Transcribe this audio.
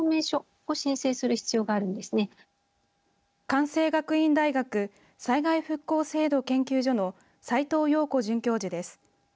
関西学院大学災害復興制度研究所の斉藤容子准教授です。